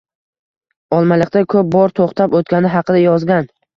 Olmaliqda koʻp bor toʻxtab oʻtgani haqida yozgan